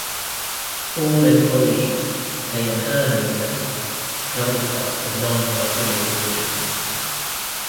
All employees pay an earner's levy to cover the cost of non-work related injuries.